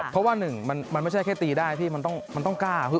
เพราะว่าหนึ่งมันไม่ใช่แค่ตีได้พี่มันต้องกล้า